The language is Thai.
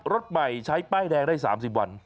รถใหม่ใช้ป้ายแดงได้๓๐วัน